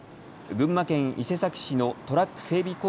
群馬県伊勢崎市のトラック整備